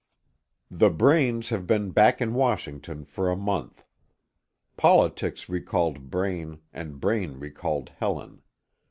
The Braines have been back in Washington for a month. Politics recalled Braine, and Braine recalled Helen.